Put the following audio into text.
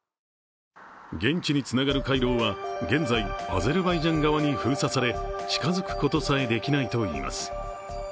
現地につながる回廊は現在、アゼルバイジャン側に封鎖され近づくことさえできないといいます。